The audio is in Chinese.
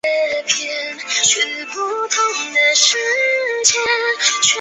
图尔库城堡是位于芬兰城市图尔库的一座中世纪建筑。